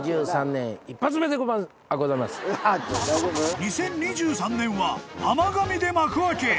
［２０２３年は甘がみで幕開け］